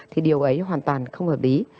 thì điều ấy hoàn toàn không hợp ý